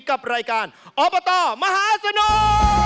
กับรายการอบตมหาสนุก